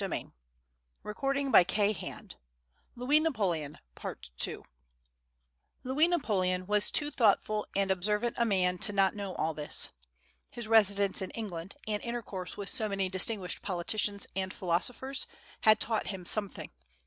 Men pass away, but principles are indestructible. Louis Napoleon was too thoughtful and observant a man not to know all this. His residence in England and intercourse with so many distinguished politicians and philosophers had taught him something.